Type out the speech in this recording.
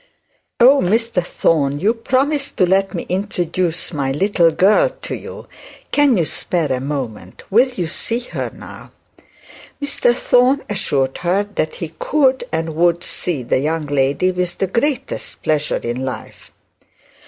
'Oh, Mr Thorne, you promised to let me introduce my little girl to you. Can you spare a moment? will you see her now?' Mr Thorne assured her that he could, and would see the young lady with the greatest pleasure in life.